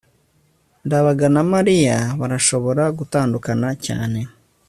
ndabaga na mariya barashobora gutandukana cyane